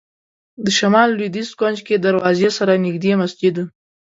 د شمال لوېدیځ کونج کې دروازې سره نږدې مسجد و.